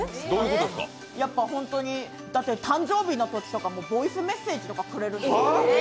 やっぱ本当に、だって誕生日のときとかボイスメッセージとかくれるんですよ。